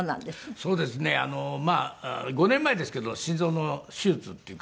そうですね。５年前ですけど心臓の手術っていうか